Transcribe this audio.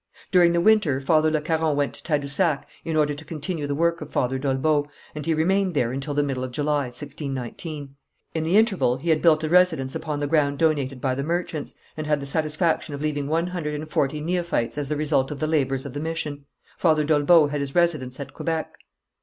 During the winter Father Le Caron went to Tadousac in order to continue the work of Father d'Olbeau, and he remained there until the middle of July, 1619. In the interval he had built a residence upon the ground donated by the merchants, and had the satisfaction of leaving one hundred and forty neophytes as the result of the labours of the mission. Father d'Olbeau had his residence at Quebec.